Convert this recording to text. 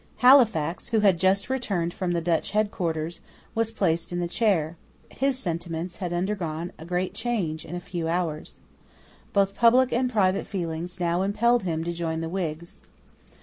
Halifax, who had just returned from the Dutch head quarters, was placed in the chair. His sentiments had undergone a great change in a few hours. Both public and private feelings now impelled him to join the Whigs.